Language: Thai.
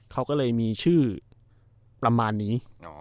เขาก็เลยมีชื่อประมาณนี้